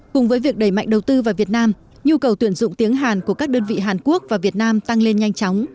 cùng với việc đẩy mạnh đầu tư vào việt nam nhu cầu tuyển dụng tiếng hàn của các đơn vị hàn quốc và việt nam tăng lên nhanh chóng